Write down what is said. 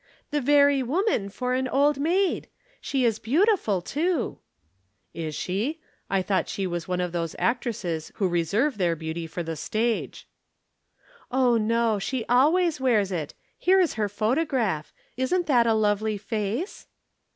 "The very woman for an Old Maid! She is beautiful, too." "Is she? I thought she was one of those actresses who reserve their beauty for the stage." "Oh, no. She always wears it. Here is her photograph. Isn't that a lovely face?"